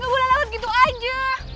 lo boleh lewat gitu aja